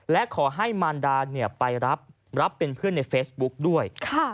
และขอให้มารดาไปรับเป็นเพื่อนในเฟซบุ๊กด้วย